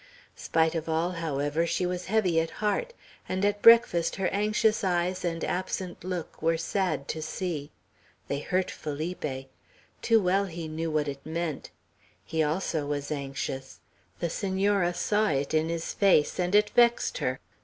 Spite of all, however, she was heavy at heart; and at breakfast her anxious eyes and absent look were sad to see. They hurt Felipe. Too well he knew what it meant. He also was anxious. The Senora saw it in his face, and it vexed her.